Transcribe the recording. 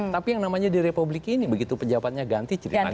tapi yang namanya di republik ini begitu pejabatnya ganti ceritanya